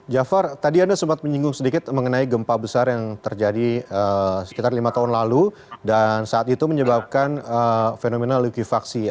jafar tadi anda sempat menyinggung sedikit mengenai gempa besar yang terjadi sekitar lima tahun lalu dan saat itu menyebabkan fenomena likuifaksi